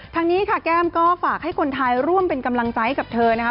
ทางนี้ค่ะแก้มก็ฝากให้คนไทยร่วมเป็นกำลังใจให้กับเธอนะคะ